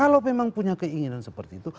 kalau memang punya keinginan seperti itu